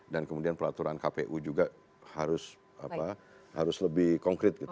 dan kemudian peraturan kpu juga harus lebih konkret